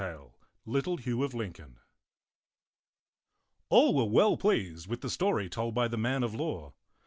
IV LITTLE HUGH OF LINCOLN €^i {pxioxiss ALL were well pleased with the story told by the man of law.